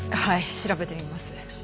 はい調べてみます。